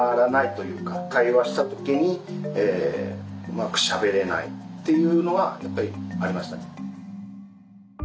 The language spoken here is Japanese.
というか会話した時にうまくしゃべれないっていうのはやっぱりありましたね。